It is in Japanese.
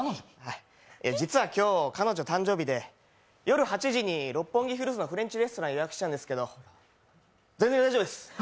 実は今日、彼女、誕生日で夜８時に六本木ヒルズのフレンチレストラン予約したんですけど、全然大丈夫です。